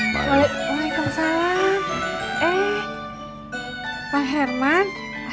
waalaikumsalam eh pak herman